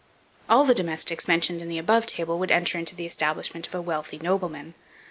All the domestics mentioned in the above table would enter into the establishment of a wealthy nobleman.